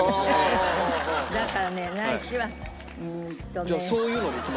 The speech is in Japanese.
だからねないしはうーんとね。